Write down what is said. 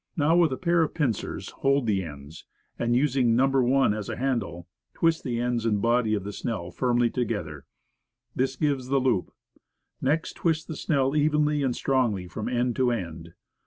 Now, with a pair of pincers hold the ends, and, using No. 1 as a 60 Woodcraft. handle, twist the ends and body of the snell firmly to gether; this gives the loop; next, twist the snell evenly and strongly from end to end.